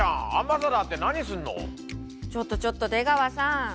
ちょっとちょっと出川さん！